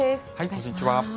こんにちは。